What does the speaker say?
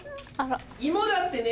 芋だってね